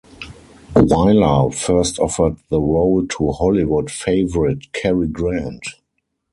Wyler first offered the role to Hollywood favorite Cary Grant.